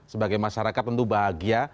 sebagai masyarakat tentu bahagia